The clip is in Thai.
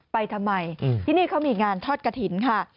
ไปทำไมที่นี่เขามีงานทอดกระถิ่นค่ะ